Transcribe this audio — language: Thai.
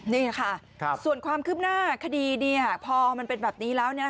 นี่ค่ะส่วนความคืบหน้าคดีพอมันเป็นแบบนี้แล้ว